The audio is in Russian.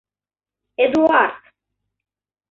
Эдуард